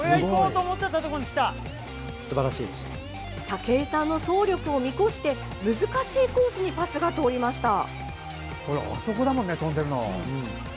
武井さんの走力を見越して難しいコースにパスが通りました。